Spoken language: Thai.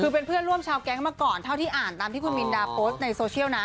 คือเป็นเพื่อนร่วมชาวแก๊งมาก่อนเท่าที่อ่านตามที่คุณมินดาโพสต์ในโซเชียลนะ